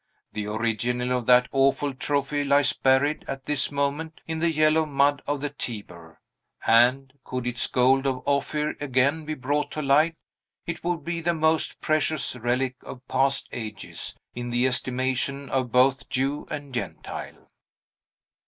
The original of that awful trophy lies buried, at this moment, in the yellow mud of the Tiber; and, could its gold of Ophir again be brought to light, it would be the most precious relic of past ages, in the estimation of both Jew and Gentile.